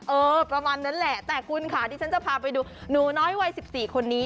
เออประมาณนั้นแหละแต่คุณค่ะดิฉันจะพาไปดูหนูน้อยวัย๑๔คนนี้